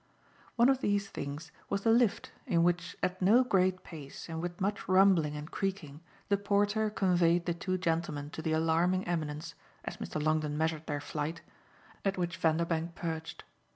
One of these things was the lift in which, at no great pace and with much rumbling and creaking, the porter conveyed the two gentlemen to the alarming eminence, as Mr. Longdon measured their flight, at which Vanderbank perched.